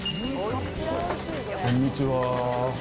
こんにちは。